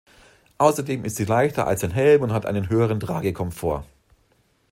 Außerdem ist sie leichter als ein Helm und hat einen höheren Tragekomfort.